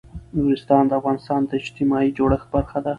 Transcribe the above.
نورستان د افغانستان د اجتماعي جوړښت برخه ده.